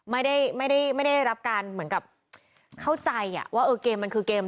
ไม่ได้รับการเหมือนกับเข้าใจว่าเกมมันคือเกม